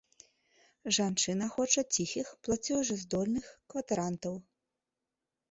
Жанчына хоча ціхіх плацежаздольных кватарантаў.